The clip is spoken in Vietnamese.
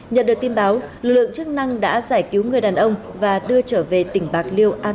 nhận được tin báo lượng chức năng đã giải cứu người đàn ông và đưa trở về tỉnh bạc liêu an toàn